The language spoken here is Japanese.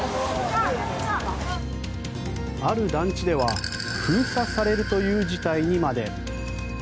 ある団地では封鎖されるという事態にまで。